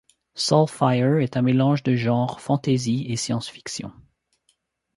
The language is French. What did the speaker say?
Soulfire est un mélange des genres fantasy et science-fiction.